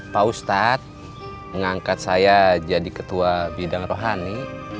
pak ustadz mengangkat saya jadi ketua bidang rohani